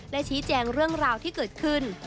และชี้แจงเรื่องราวที่เกิดขึ้น